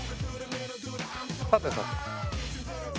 さてさて。